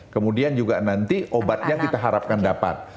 kemudian juga nanti obatnya kita harapkan dapat